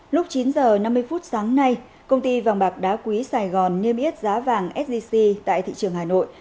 lúc chín h năm mươi phút sáng nay công ty vàng bạc đá quý sài gòn niêm yết giá vàng sgc tại thị trường hà nội